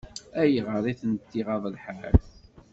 Ayɣer i tent-iɣaḍ lḥal?